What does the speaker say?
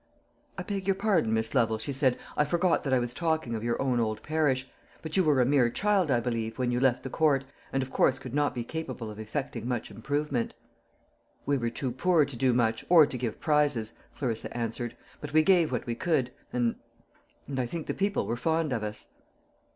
"I beg your pardon, Miss Lovel," she said; "I forgot that I was talking of your own old parish. But you were a mere child, I believe, when you left the Court, and of course could not be capable of effecting much improvement." "We were too poor to do much, or to give prizes," Clarissa answered; "but we gave what we could, and and I think the people were fond of us."